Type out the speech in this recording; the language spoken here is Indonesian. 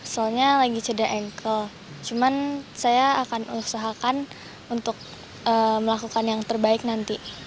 soalnya lagi cede ankel cuman saya akan usahakan untuk melakukan yang terbaik nanti